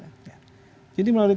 jadi melalui kerjasama ini kita harapkan